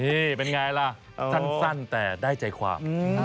นี่เป็นไงล่ะสั้นแต่ได้ใจความ